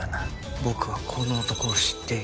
僕はこの男を知っている。